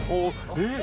えっ？